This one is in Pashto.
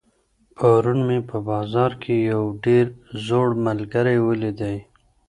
پرون مي په بازار کي یو ډېر زوړ ملګری ولیدی.